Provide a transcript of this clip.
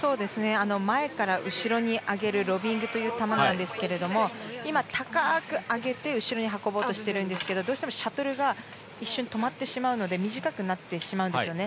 前から後ろに上げるロビングという球なんですけど今、高く上げて後ろに運ぼうとしているんですけどどうしてもシャトルが一瞬、止まってしまうので短くなってしまうんですよね。